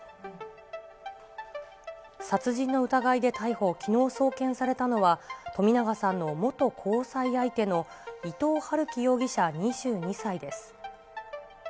殺人の疑いで逮捕、きのう、送検されたのは、冨永さんの元交際相手の伊藤龍稀容疑者２２歳です。